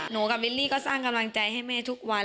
กับบิลลี่ก็สร้างกำลังใจให้แม่ทุกวัน